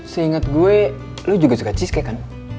seinget gue lu juga suka cheesecake kan